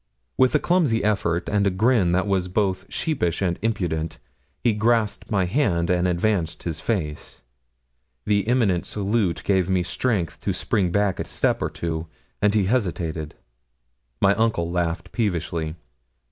With a clumsy effort, and a grin that was both sheepish and impudent, he grasped my hand and advanced his face. The imminent salute gave me strength to spring back a step or two, and he hesitated. My uncle laughed peevishly.